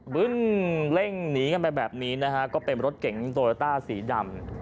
เร่งหนีแบบนี้ก็เป็นรถเก่งโตแลต้าสีดำ